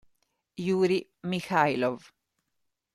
Jurij Michajlov